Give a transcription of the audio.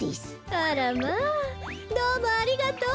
あらまあどうもありがとう。